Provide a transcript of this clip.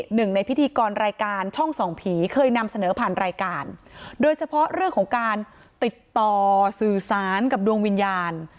หนึ่งในพิธีกรรายการช่องส่องผีเคยนำเสนอผ่านรายการโดยเฉพาะเรื่องของการติดต่อสื่อสารกับดวงวิญญาณ